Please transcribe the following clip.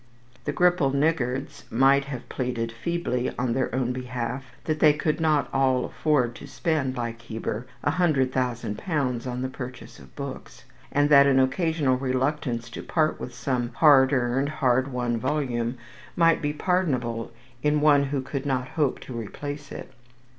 The "gripple niggards" might have pleaded feebly in their own behalf that they could not all afford to spend, like Heber, a hundred thousand pounds in the purchase of books; and that an occasional reluctance to part with some hard earned, hard won volume might be pardonable in one who could not hope to replace it.